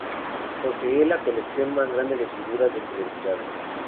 Posee la colección más grande de figuras de celebridades.